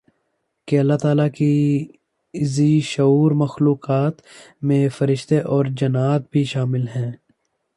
کہ اللہ تعالیٰ کی ذی شعور مخلوقات میں فرشتے اورجنات بھی شامل ہیں